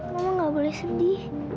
mama nggak boleh sedih